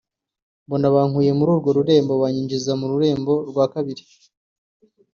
Mbona bankuye muri urwo rurembo banyinjiza mu rurembo rwa kabiri